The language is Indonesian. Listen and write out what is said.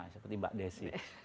seperti mbak desy